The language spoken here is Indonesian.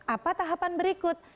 apa tahapan berikut